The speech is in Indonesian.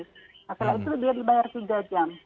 setelah itu dia dibayar tiga jam